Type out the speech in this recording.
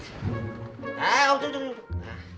tidur tidur tidur